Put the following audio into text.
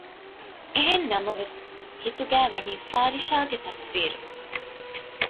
އެހެންނަމަވެސް ހިތުގައި ވަނީ ފާރިޝާގެ ތަސްވީރު